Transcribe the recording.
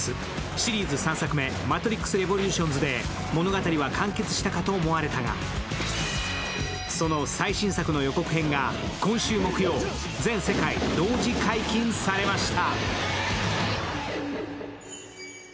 シリーズ３作目「マトリックスレボリューション」で物語は完結したかと思われたが、その最新作の予告編が今週木曜、全世界同時解禁されました。